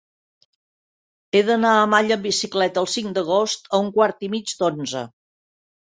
He d'anar a Malla amb bicicleta el cinc d'agost a un quart i mig d'onze.